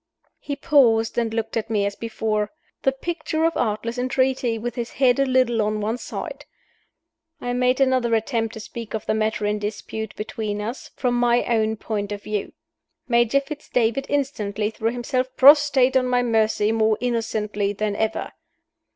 He paused and looked at me as before the picture of artless entreaty, with his head a little on one side. I made another attempt to speak of the matter in dispute between us, from my own point of view. Major Fitz David instantly threw himself prostrate on my mercy more innocently than ever.